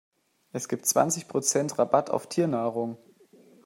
Es gibt zwanzig Prozent Rabatt auf Tiernahrung.